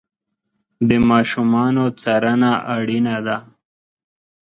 د ماشومانو څارنه اړینه ده.